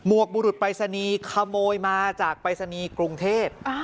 วกบุรุษปรายศนีย์ขโมยมาจากปรายศนีย์กรุงเทพ